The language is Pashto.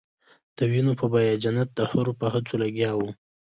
د وینو په بیه جنت د حورو په هڅو لګیا وو.